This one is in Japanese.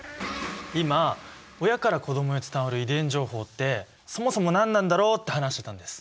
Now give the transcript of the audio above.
今親から子供へ伝わる遺伝情報ってそもそも何なんだろうって話してたんです。